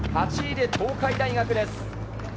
８位で東海大学です。